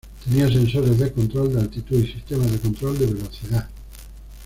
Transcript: Tenía sensores de control de altitud y sistema de control de velocidad.